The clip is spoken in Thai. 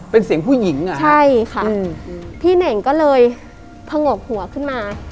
เป็นเสียงผู้หญิงอ่ะใช่ค่ะอืมพี่เน่งก็เลยผงกหัวขึ้นมา